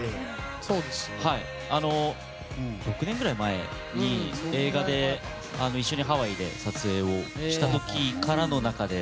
６年ぐらい前に映画で一緒にハワイで撮影をした時からの仲で。